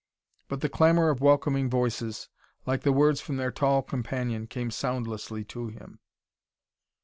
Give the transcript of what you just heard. But the clamor of welcoming voices, like the words from their tall companion, came soundlessly to him.